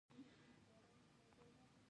احمد د انجینرۍ په برخه کې پوره سابقه لري.